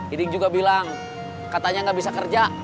iding juga bilang katanya gak bisa kerja